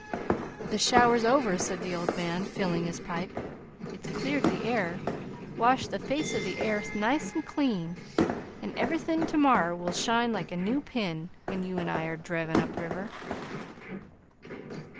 "The shower 's over," said the old man, filling his pipe; "it's cleared the air, washed the face o' the airth nice an' clean, an' everything to morrer will shine like a new pin when you an' I are drivin' up river."